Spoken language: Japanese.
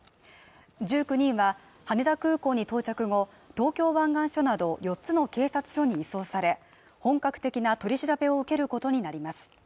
１９人は、羽田空港に到着後、東京湾岸署など四つの警察署に移送され、本格的な取り調べを受けることになります。